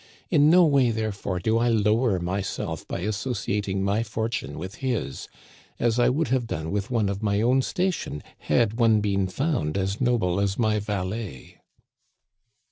In no way, therefore, do I lower myself by associating my fortune with his, as I would have done with one of my own station had one been found as noble as my valet."